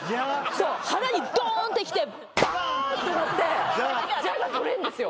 そう腹にドーンってきてバーンってなって邪が取れんですよ